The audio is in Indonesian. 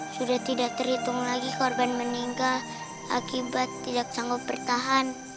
sudah tidak terhitung lagi korban meninggal akibat tidak sanggup bertahan